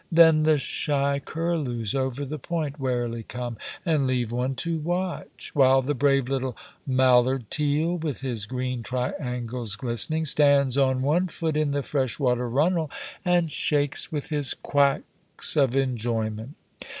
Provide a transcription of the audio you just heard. Then the shy curlews over the point warily come, and leave one to watch; while the brave little mallard teal, with his green triangles glistening, stands on one foot in the fresh water runnel, and shakes with his quacks of enjoyment.